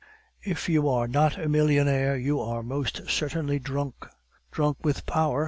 "If you are not a millionaire, you are most certainly drunk." "Drunk with power.